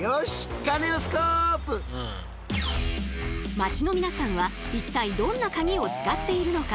街の皆さんは一体どんなカギを使っているのか？